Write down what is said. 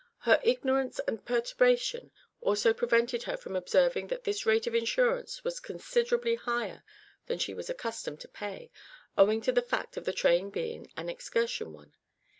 Her ignorance and perturbation also prevented her from observing that this rate of insurance was considerably higher than she was accustomed to pay, owing to the fact of the train being an excursion one.